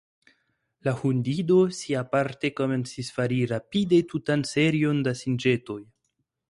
La hundido, siaparte, komencis fari rapide tutan serion da sinĵetoj.